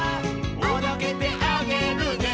「おどけてあげるね」